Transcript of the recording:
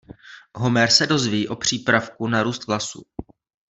Homer se dozví o přípravku na růst vlasů.